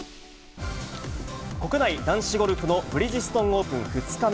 国内男子ゴルフのブリヂストンオープン２日目。